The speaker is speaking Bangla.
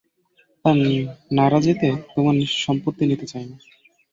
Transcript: তাঁর নারাজিতে তোমার সম্পত্তি নিতে চাই নে।